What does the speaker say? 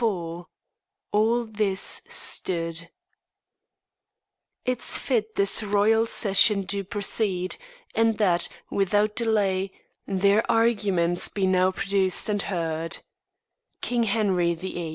XXIV ALL THIS STOOD It's fit this royal session do proceed; And that, without delay, their arguments Be now produc'd and heard King Henry VIII.